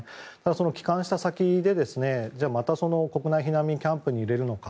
帰還した先で国内避難民キャンプに入れるのか。